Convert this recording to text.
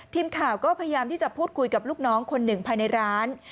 ทีมข่าวก็พยายามที่จะพูดคุยกับลูกน้องคนหนึ่งภายในร้าน